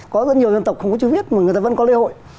có rất nhiều dân tộc không có chữ viết mà người ta vẫn có lễ hội